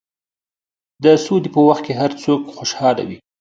د سولې په وخت کې هر څوک خوشحاله وي.